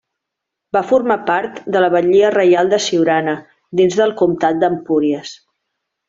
Va formar part de la batllia reial de Siurana, dins del Comtat d'Empúries.